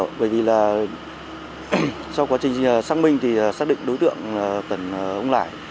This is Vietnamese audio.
dạ có rất nhiều bởi vì là sau quá trình xác minh thì xác định đối tượng tần ông lải